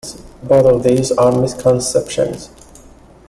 Both of these are misconceptions.